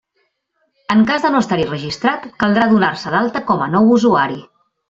En cas de no estar-hi registrat, caldrà donar-se d'alta com a nou usuari.